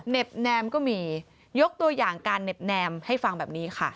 แนมก็มียกตัวอย่างการเหน็บแนมให้ฟังแบบนี้ค่ะ